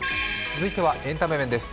続いては、エンタメ面です。